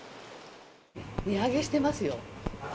値上げしてますよ。